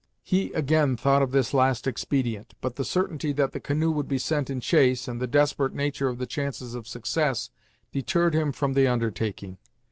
He, again, thought of this last expedient, but the certainty that the canoe would be sent in chase, and the desperate nature of the chances of success deterred him from the undertaking.